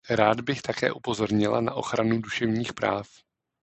Rád bych také upozornila na ochranu duševních práv.